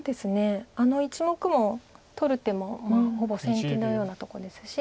あの１目も取る手もほぼ先手のようなとこですし。